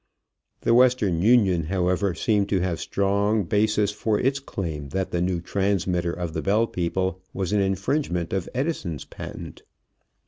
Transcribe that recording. The Western Union, however, seemed to have strong basis for its claim that the new transmitter of the Bell people was an infringement of Edison's patent.